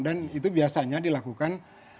dan itu biasanya dilakukan